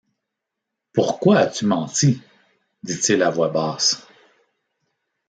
Pourquoi as-tu menti? dit-il à voix basse.